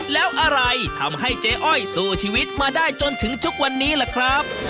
แล้วอะไรทำให้เจ๊อ้อยสู้ชีวิตมาได้จนถึงทุกวันนี้ล่ะครับ